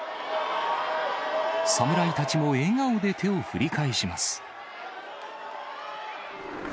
侍たちも笑顔で手を振り返します。